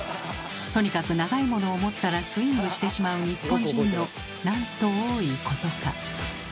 とにかく長いものを持ったらスイングしてしまう日本人のなんと多いことか。